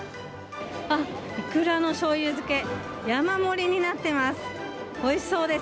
あっ、いくらのしょうゆ漬け山盛りになっています。